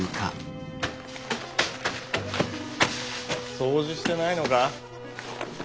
掃除してないのか。